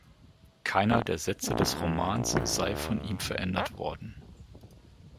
Keiner der Sätze des Romans sei von ihm verändert worden.